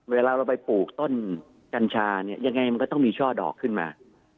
เวลาเราไปปลูกต้นกัญชาเนี่ยยังไงมันก็ต้องมีช่อดอกขึ้นมา